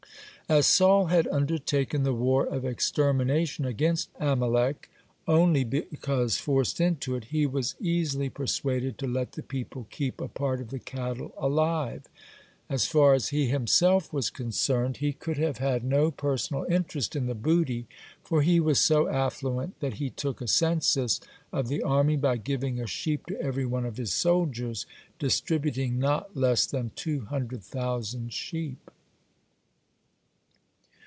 (61) As Saul had undertaken the war of extermination against Amalek only because forced into it, he was easily persuaded to let the people keep a part of the cattle alive. As far as he himself was concerned, he could have had no personal interest in the booty, for he was so affluent that he took a census of the army by giving a sheep to every one of his soldiers, distributing not less than two hundred thousand sheep.